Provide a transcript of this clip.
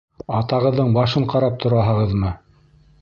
Атағыҙҙың башын ҡарап тораһығыҙмы?